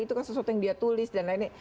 itu kan sesuatu yang dia tulis dan lain lain